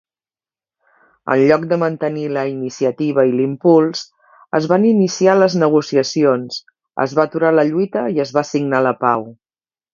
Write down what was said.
En lloc de mantenir la iniciativa i l'impuls, es van iniciar les negociacions, es va aturar la lluita i es va signar la pau.